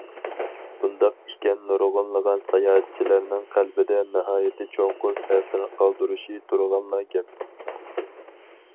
بۇنداق ئىكەن نۇرغۇنلىغان ساياھەتچىلەرنىڭ قەلبىدە ناھايىتى چوڭقۇر تەسىر قالدۇرۇشى تۇرغانلا گەپ.